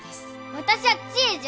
私は千恵じゃ。